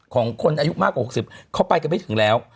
ของคนอายุมากกว่า๖๐เขาไปกันไม่ถึงแล้ว